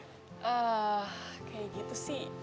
kayak gitu sih